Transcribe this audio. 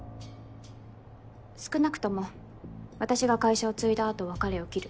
少なくとも私が会社を継いだあとは彼を切る。